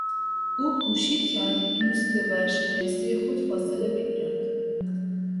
او کوشید که از دوست ورشکستهی خود فاصله بگیرد.